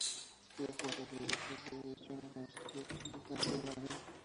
Estudió filosofía y letras y derecho en la Universidad Complutense de Madrid.